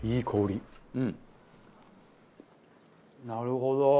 なるほど。